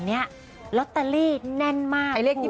เออเป็นไงอ่ะ